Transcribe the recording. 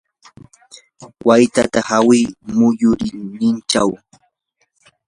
waytata hawi muyurinninchaw.